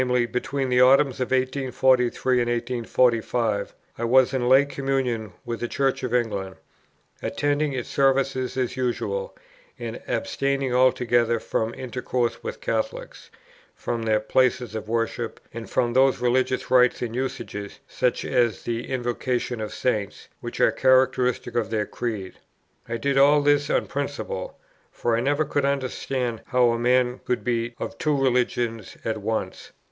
between the autumns of 1843 and 1845, I was in lay communion with the Church of England, attending its services as usual, and abstaining altogether from intercourse with Catholics, from their places of worship, and from those religious rites and usages, such as the Invocation of Saints, which are characteristics of their creed. I did all this on principle; for I never could understand how a man could be of two religions at once.